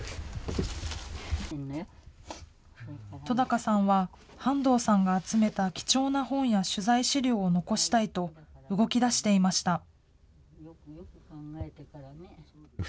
戸高さんは、半藤さんが集めた貴重な本や取材資料を残したいと、動きだしていました。